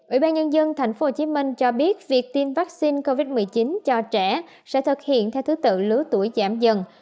ủy ban nhân dân tp hcm cho biết việc tiêm vaccine covid một mươi chín cho trẻ sẽ thực hiện theo thứ tự lứa tuổi giảm dần